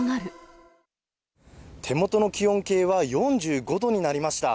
手元の気温計は４５度になりました。